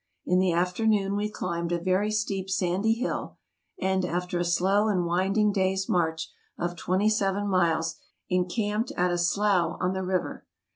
In the afternoon we climbed a very steep sandy hill ; and, after a slow and winding day's march of twenty seven miles, encamped at a slough on the river.